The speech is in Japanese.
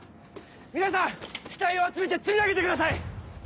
皆さん死体を集めて積み上げてください！